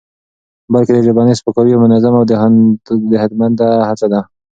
بلکې د ژبني سپکاوي یوه منظمه او هدفمنده هڅه ده؛